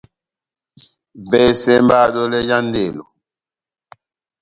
Vɛsɛ mba dɔlɛ já ndelo.